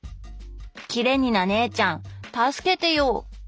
「きれになねぇちゃん、助けてよ。」